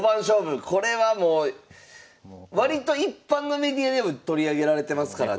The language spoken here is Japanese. これはもう割と一般のメディアでも取り上げられてますから。